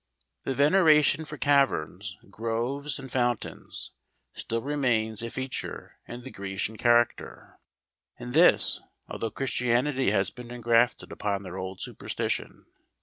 The veneration for caverns, groves, and foun¬ tains, still remains a feature in the Grecian cha¬ racter; and this, although Christianity has been engrafted upon their old superstition.